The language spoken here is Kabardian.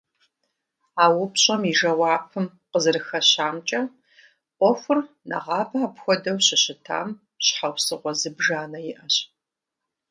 А упщӀэм и жэуапым къызэрыхэщамкӀэ, Ӏуэхур нэгъабэ апхуэдэу щӀыщытам щхьэусыгъуэ зыбжанэ иӀэщ.